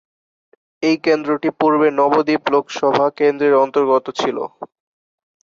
এই কেন্দ্রটি পূর্বে নবদ্বীপ লোকসভা কেন্দ্রের অন্তর্গত ছিল।